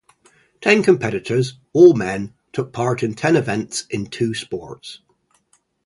Ten competitors, all men, took part in ten events in two sports.